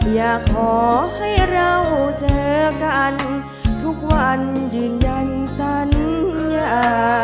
อยากให้เราเจอกันทุกวันยืนยันสัญญา